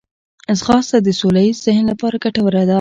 ځغاسته د سوله ییز ذهن لپاره ګټوره ده